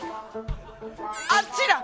あっちだ。